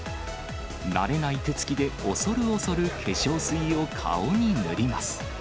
慣れない手つきで恐る恐る化粧水を顔に塗ります。